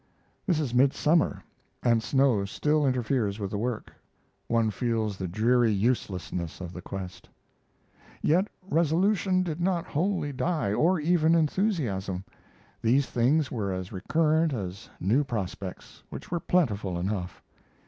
This is midsummer, and snow still interferes with the work. One feels the dreary uselessness of the quest. Yet resolution did not wholly die, or even enthusiasm. These things were as recurrent as new prospects, which were plentiful enough.